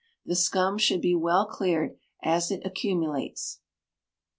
The scum should be well cleared as it accumulates.